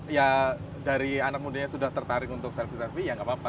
ya dari anak mudanya sudah tertarik untuk servi selfie ya gak apa apa